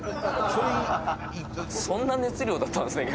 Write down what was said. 玉森：そんな熱量だったんですね